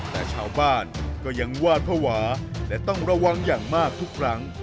แต่ชาวบ้านก็ยังวาดภาวะและต้องระวังอย่างมากทุกครั้ง